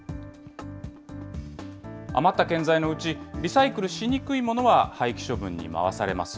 余った建材のうち、リサイクルしにくいものは廃棄処分に回されます。